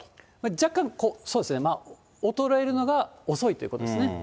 若干、そうですね、衰えるのが遅いということですね。